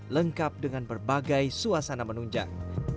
lengkap dengan berbagai suasana menunjang